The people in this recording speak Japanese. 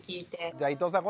じゃあ伊藤さん